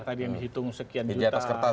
tadi yang dihitung sekian juta sekarang